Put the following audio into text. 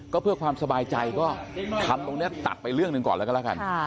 ก็เพื่อความสบายใจก็ทำตรงนี้ตัดไปเรื่องหนึ่งก่อนแล้วก็แล้วกัน